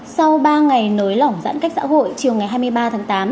sau ba ngày nới lỏng giãn cách xã hội chiều ngày hai mươi ba tháng tám